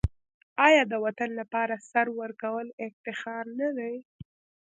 آیا د وطن لپاره سر ورکول افتخار نه دی؟